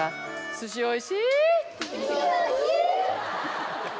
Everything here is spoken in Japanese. すしおいしぃー。